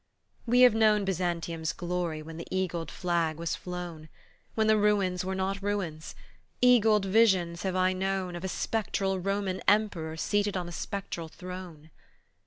We have known Bzyantium's glory when the eagled flag was flown, When the ruins were not ruins; eagled visions have I known Of a spectral Roman emperor seated on a spectral throne.